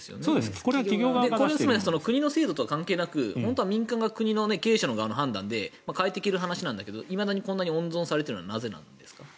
これは国の制度とは関係なく民間が経営者側の判断で変えていける話なんですがいまだに温存しているのはなぜなんですか？